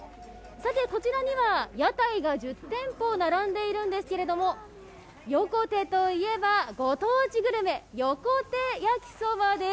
こちらには屋台が１０店舗並んでいるんですけれども、横手といえば、ご当地グルメ、横手やきそばです。